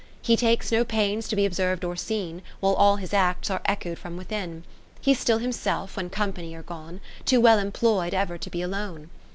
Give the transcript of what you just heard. He takes no pains to be observ'd or seen, While all his acts are echoed from within. He 's still himself, when company are gone. Too well employ'd ever to be alone.